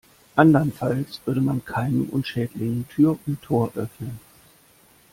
Andernfalls würde man Keimen und Schädlingen Tür und Tor öffnen.